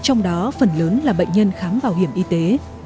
trong đó phần lớn là bệnh nhân khám bảo hiểm y tế